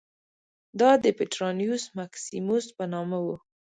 دا د پټرانیوس مکسیموس په نامه و